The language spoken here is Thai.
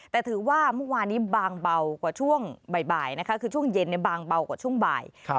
แต่ถือว่าเมื่อวานนี้บางเบากว่าช่วงบ่ายนะคะคือช่วงเย็นบางเบากว่าช่วงบ่าย